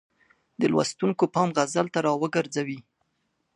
د لوستونکو پام غزل ته را وګرځوي.